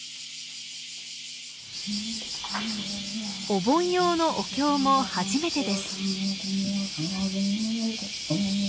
お盆用のお経も初めてです。